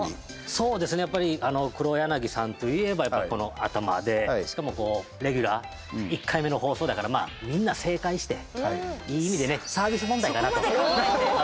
そうですねやっぱり黒柳さんといえば頭でしかもレギュラー１回目の放送だから、みんな正解していい意味でねサービス問題かなと。